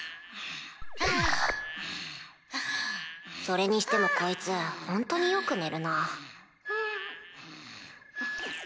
それにしてもこいつホントによく寝るな。